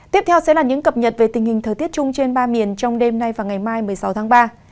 tiếp theo sẽ là những cập nhật về tình hình thời tiết chung trên ba miền trong đêm nay và ngày mai một mươi sáu tháng ba